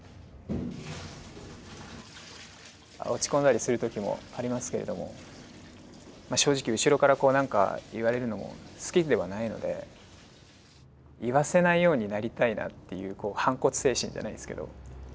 落ち込んだりする時もありますけれどもまあ正直後ろからこう何か言われるのも好きではないので言わせないようになりたいなっていう反骨精神じゃないですけど。